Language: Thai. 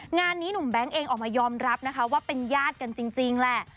งานนี้หนุ่มแบงค์เองออกมายอมรับนะคะว่าเป็นญาติกันจริงแหละ